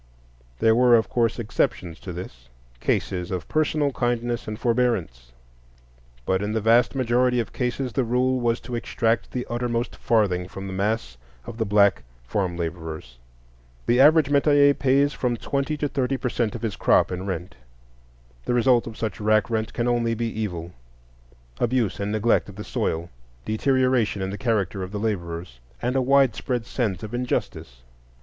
There were, of course, exceptions to this,—cases of personal kindness and forbearance; but in the vast majority of cases the rule was to extract the uttermost farthing from the mass of the black farm laborers. The average metayer pays from twenty to thirty per cent of his crop in rent. The result of such rack rent can only be evil,—abuse and neglect of the soil, deterioration in the character of the laborers, and a widespread sense of injustice.